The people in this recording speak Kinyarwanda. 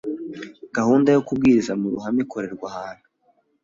Gahunda yo kubwiriza mu ruhame ikorerwa ahantu